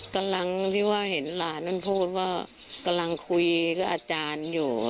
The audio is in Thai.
กำลังที่ว่าเห็นหลานนั้นพูดว่ากำลังคุยกับอาจารย์อยู่